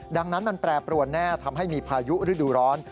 ดังนั้นมันแปรปรวนแน่ทำให้มีพายุฤดูร้อน